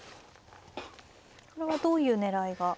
これはどういう狙いが。